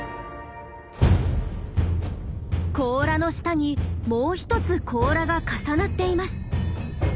甲羅の下にもう一つ甲羅が重なっています。